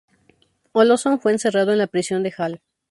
Olsson fue encerrado en la prisión de Hall.